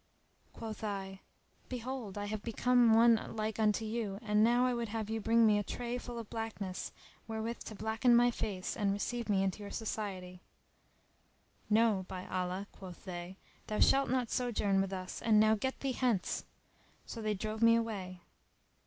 Quoth I, "Behold I have become one like unto you and now I would have you bring me a tray full of blackness, wherewith to blacken my face, and receive me into your society." "No, by Allah," quoth they, "thou shalt not sojourn with us and now get thee hence!" So they drove me away.